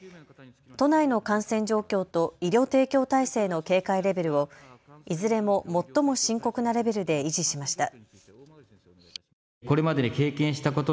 都内の感染状況と医療提供体制の警戒レベルをいずれも最も深刻なレベルで維持しました。